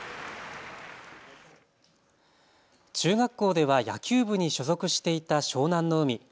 中学校では野球部に所属していた湘南乃海。